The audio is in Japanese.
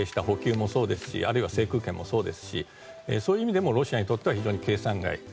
補給もそうですし制空権もそうですしそういう意味でロシアにとっても非常に計算外。